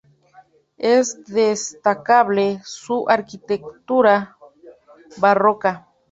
Es destacable su arquitectura barroca.